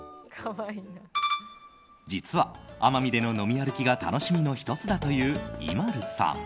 実は、奄美での飲み歩きが楽しみの１つだというＩＭＡＬＵさん。